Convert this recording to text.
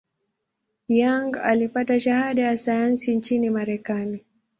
Young alipata shahada ya sayansi nchini Marekani.